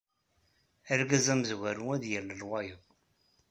Argaz amezwaru ad yalel wayeḍ.